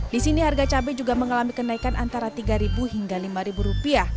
di sini harga cabai juga mengalami kenaikan antara rp tiga hingga rp lima